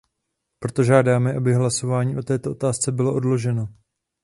Proto žádáme, aby hlasování o této otázce bylo odloženo.